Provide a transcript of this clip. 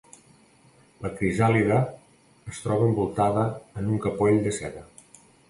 La crisàlide es troba envoltada en un capoll de seda.